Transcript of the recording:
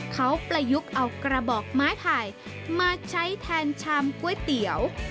เขาประยุกต์เอากระบอกไม้ไผ่มาใช้แทนชามก๋วยเตี๋ยว